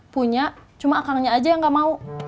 punya cuma akangnya aja yang gak mau